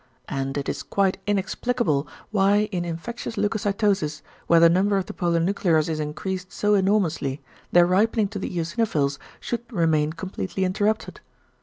And it is quite inexplicable why in infectious leucocytosis, where the number of the polynuclears is increased so enormously, their ripening to the eosinophils should remain completely interrupted.